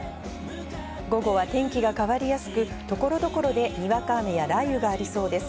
午後は天気が変わりやすく、所々でにわか雨や雷雨がありそうです。